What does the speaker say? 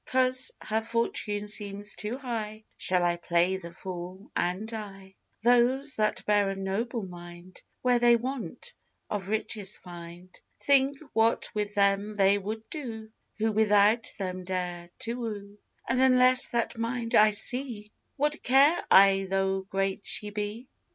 'Cause her fortune seems too high, Shall I play the fool and die? Those that bear a noble mind, Where they want, of riches find. Think what with them they would do Who without them dare to woo: And unless that mind I see, What care I tho' great she be?